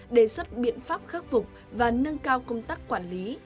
đề xuất biện pháp khắc phục và nâng cao công tác quản lý